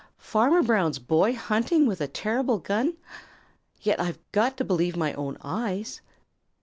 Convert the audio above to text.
Farmer Brown's boy hunting with a terrible gun! Yet I've got to believe my own eyes."